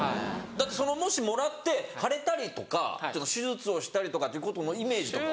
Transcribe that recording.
だってそのもしもらって腫れたりとか手術をしたりとかっていうことのイメージとかは。